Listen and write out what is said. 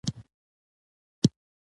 دا پوستکی پر مخ یې پیوند وي.